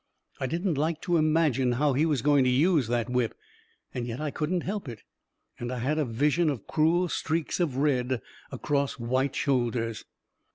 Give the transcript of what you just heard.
I didn't like to imagine how he was going to use that whip — and yet I couldn't help it — and I had a vision of cruel streaks of red across white shoulders